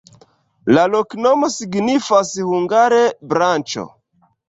La loknomo signifas hungare: branĉo.